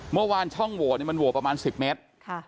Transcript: เมื่อวานช่องโหวตมันโหวตประมาณ๑๐เมตร